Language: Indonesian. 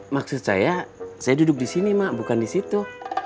maksud saya saya duduk di sini mak bukan di situ